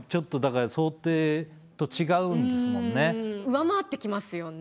上回ってきますよね。